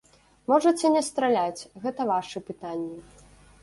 Можаце не страляць, гэта вашы пытанні.